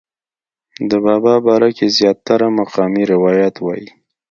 د بابا باره کښې زيات تره مقامي روايات وائي